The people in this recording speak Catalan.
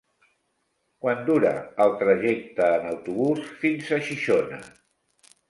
Quant dura el trajecte en autobús fins a Xixona?